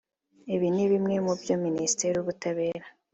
Ibi ni bimwe mu byo Minisitiri w’Ubutabera